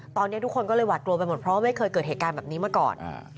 ตอนนี้ทุกคนก็เลยหวาดกลัวไปหมดเพราะว่าไม่เคยเกิดเหตุการณ์แบบนี้มาก่อน